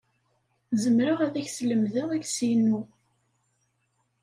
Zemreɣ ad ak-slemdeɣ iles-inu.